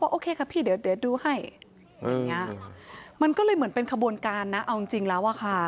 เขาบอกโอเคค่ะพี่เดี๋ยวเดี๋ยวเดี๋ยว